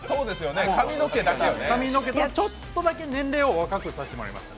髪の毛と、ちょっとだけ年齢を若くさせてもらいました。